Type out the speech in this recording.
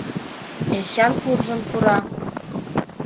Эчан куржын пура.